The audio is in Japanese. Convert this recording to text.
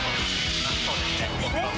そうですね。